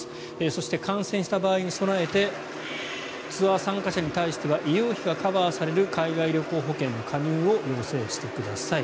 そして、感染した場合に備えてツアー参加者に対しては医療費がカバーされる海外旅行保険の加入を要請してください。